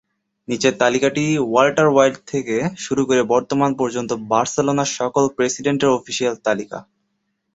নিচের তালিকাটি Walter Wilde থেকে শুরু করে বর্তমান পর্যন্ত বার্সেলোনার সকল প্রেসিডেন্টের অফিসিয়াল তালিকা।